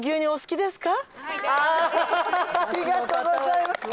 ありがとうございます。